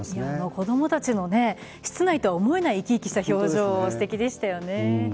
子供たちの室内とは思えないイキイキした表情がすてきでしたね。